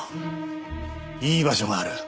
いい場所がある。